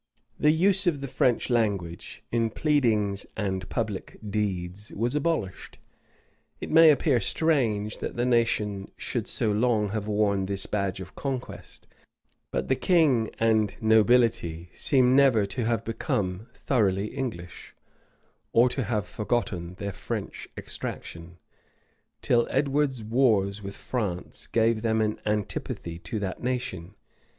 The use of the French language, in pleadings and public deeds, was abolished.[] It may appear strange, that the nation should so long have worn this badge of conquest: but the king and nobility seem never to have become thoroughly English, or to have forgotten their French extraction, till Edward's wars with France gave them an antipathy to that nation.